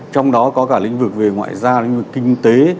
trong đó có cả lĩnh vực về ngoại giao lĩnh vực kinh tế